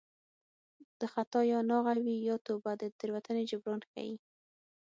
د خطا یا ناغه وي یا توبه د تېروتنې جبران ښيي